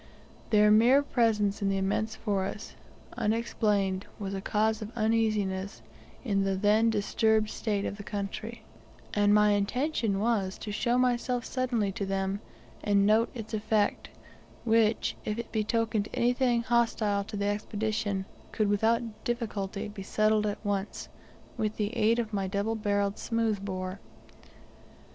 Their mere presence in the immense forest, unexplained, was a cause of uneasiness in the then disturbed state of the country, and my intention was to show myself suddenly to them, and note its effect, which, if it betokened anything hostile to the Expedition, could without difficulty be settled at once, with the aid of my double barrelled smooth bore.